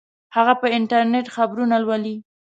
هغه په انټرنیټ خبرونه لولي